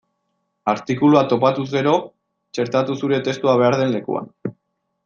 Artikulua topatuz gero, txertatu zure testua behar den lekuan.